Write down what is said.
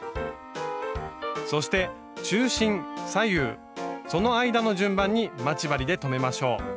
そして中心左右その間の順番に待ち針で留めましょう。